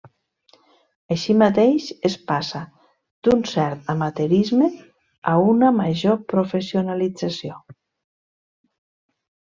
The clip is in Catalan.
Així mateix, es passa d'un cert amateurisme a una major professionalització.